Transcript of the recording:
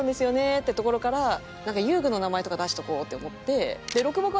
ってところからなんか遊具の名前とか出しておこうって思って。